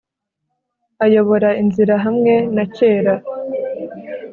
ayobora inzira hamwe na kera